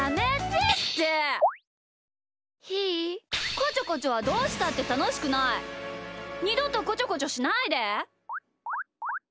こちょこちょはどうしたってたのしくない！にどとこちょこちょしないで！